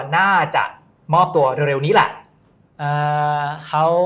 มาจากมอบตัวเร็วนี้ล่ะ